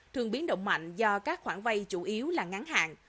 thường biến động mạnh do các khoản vay chủ yếu là ngắn hạn